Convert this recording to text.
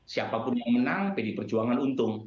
siapapun yang menang pdi perjuangan untung